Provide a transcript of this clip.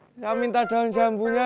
saya minta daun jambunya